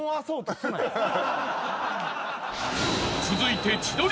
［続いて］